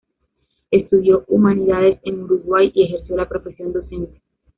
Estudió Humanidades en Uruguay y ejerció la profesión docente.